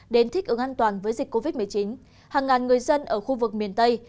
đến thích ứng an toàn với dịch covid một mươi chín hàng ngàn người dân ở khu vực miền tây